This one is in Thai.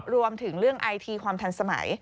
รวมถึงเรื่องไอทีความทันสมัย